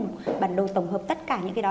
một cái bản đồ tổng hợp tất cả những cái đó